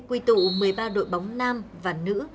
quy tụ một mươi ba đội bóng nam và nữ